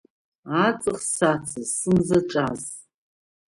Аҵых сацыз, сымзаҿаз.